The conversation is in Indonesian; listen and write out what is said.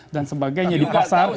dan sebagainya di pasar